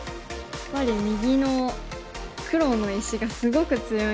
やっぱり右の黒の石がすごく強いので。